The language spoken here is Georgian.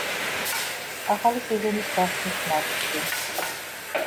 ახალი სეზონის გახსნით მატჩში.